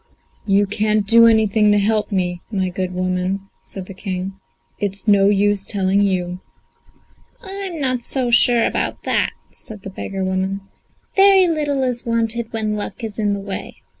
"You can't do anything to help me, my good woman," said the King; "it's no use telling you." "I am not so sure about that," said the beggar woman. "Very little is wanted when luck is in the way.